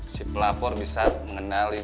si pelapor bisa mengenali